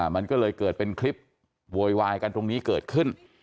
มันก็เลยเกิดเป็นคลิปโวยวายกันตรงนี้เกิดขึ้น